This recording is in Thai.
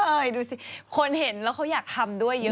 ดูสิคนเห็นแล้วเขาอยากทำด้วยเยอะ